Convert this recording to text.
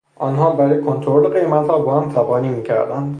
آنها برای کنترل قیمتها با هم تبانی میکردند.